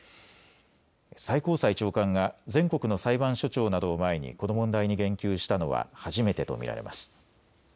最高裁長官が全国の裁判所長などを前にこの問題に言及したのは初めてと見られます。